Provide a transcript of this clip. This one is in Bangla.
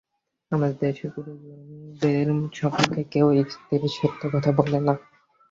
আমাদের দেশে গুরুজনদের সম্মুখে কেহ স্ত্রীর সহিত কথা বলে না।